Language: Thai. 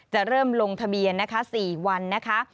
จะเริ่มลงทะเบียนนะคะ๔วันนะคะ